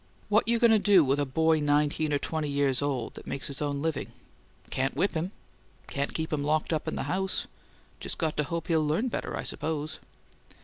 What you going to do with a boy nineteen or twenty years old that makes his own living? Can't whip him. Can't keep him locked up in the house. Just got to hope he'll learn better, I suppose."